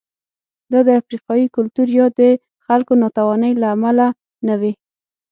دا د افریقايي کلتور یا د خلکو ناتوانۍ له امله نه وې.